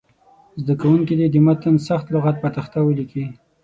زده کوونکي دې د متن سخت لغات پر تخته ولیکي.